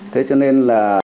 thế cho nên là